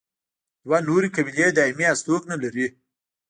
دوه نورې قبیلې دایمي هستوګنه لري.